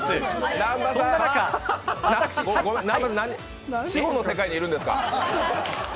南波さん、死後の世界にいるんですか？